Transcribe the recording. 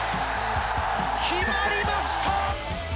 決まりました！